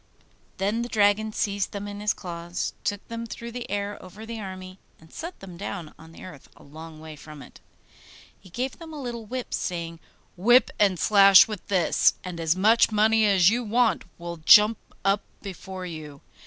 Then the dragon seized them in his claws, took them through the air over the army, and set them down on the earth a long way from it. He gave them a little whip, saying, 'Whip and slash with this, and as much money as you want will jump up before you.